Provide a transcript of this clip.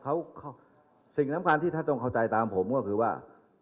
เขาเขาเขาซิ่งน้ำคลันที่ท่านต้องเข้าใจตามผมก็คือว่า